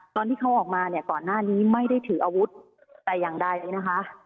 ตอนที่เขาออกมาเนี่ยก่อนหน้านี้ไม่ได้ถืออาวุธแต่อย่างใดนะคะ